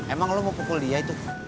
emang lo mau pukul dia itu